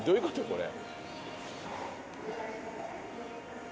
これ。